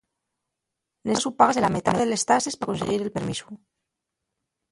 Nesti casu págase la metá de les tases pa consiguir el permisu.